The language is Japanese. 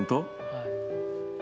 はい。